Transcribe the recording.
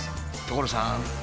所さん！